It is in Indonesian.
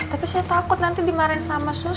tapi saya takut nanti dimarahin sama susu